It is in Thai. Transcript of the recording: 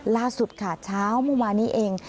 ล่าสุดค่ะเช้าเมื่อวานนี้เอง